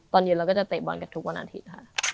ตอนเย็นเราก็จะเตะบอลกันทุกวันอาทิตย์ค่ะ